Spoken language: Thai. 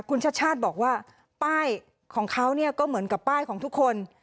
คุณชาติชาติบอกว่าป้ายของเขาก็เหมือนกับป้ายของทุกคน